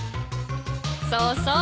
そうそう。